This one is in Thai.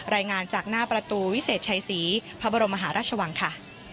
รายงานจากหน้าประตูวิเศษชัยศรีพระบรมมหาราชวังค่ะ